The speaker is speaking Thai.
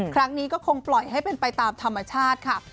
ครั้งนี้ก็คงปล่อยให้เป็นไปตามธรรมชาติค่ะ